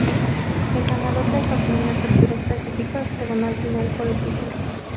El ganador del torneo de Apertura clasifica a hexagonal final por el título.